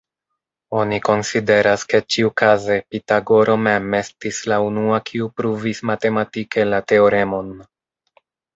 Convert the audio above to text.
Oni konsideras ke ĉiukaze Pitagoro mem estis la unua kiu pruvis matematike la teoremon.